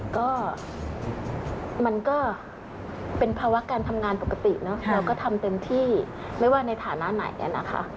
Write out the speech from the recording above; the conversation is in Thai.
ก็มันก็เป็นภาวะการทำงานปกติเนอะเราก็ทำเต็มที่ไม่ว่าในฐานะไหนนะคะ